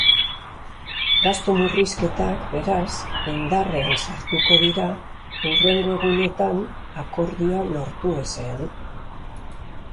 Gastu murrizketak, beraz, indarrean sartuko dira hurrengo egunetan akordioa lortu ezean.